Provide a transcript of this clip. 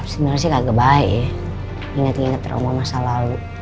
sebenernya sih kagak baik ya inget inget trauma masa lalu